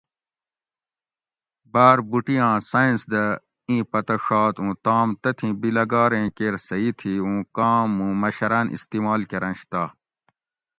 باۤر بوٹیاں سایٔنس دہ ایں پتہ ڛات اوں تام تتھیں بیلگاریں کیر صحیح تھی اوں کاں موں مشراۤن استعمال کرنش تہ